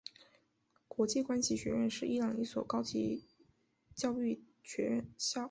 国际关系学院是伊朗一所高等教育学校。